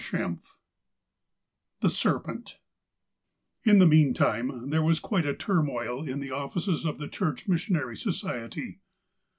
XXXII THE SERPENT IN the meantime, there was quite a turmoil in the offices of the Church Missionary Society.